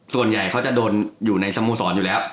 ส่วนใหญ่เขาจะโดนอยู่ในสโมสรอยู่แล้ว